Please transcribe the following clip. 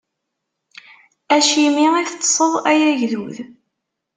Acimi i teṭṭṣeḍ ay agdud?